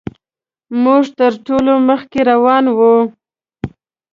موږ تر ټولو مخکې روان وو.